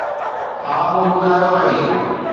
ھا مون ٻُڌايو آھي.